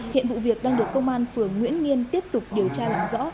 hiện vụ việc đang được công an phường nguyễn nghiên tiếp tục điều tra làm rõ